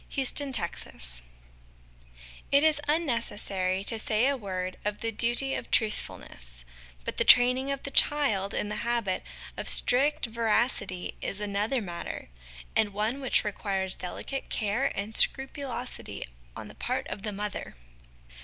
TRUTHFULNESS It is unnecessary to say a word of the duty of Truthfulness; but the training of the child in the habit of strict veracity is another matter, and one which requires delicate care and scrupulosity on the part of the mother.